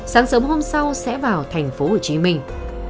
sáng sớm hôm sau sẽ vào thành phố hồ chí minh